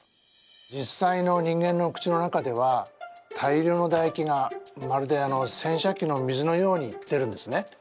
実際の人間の口の中では大量のだ液がまるで洗車機の水のように出るんですね。